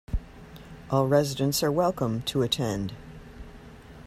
All residents are welcome to attend.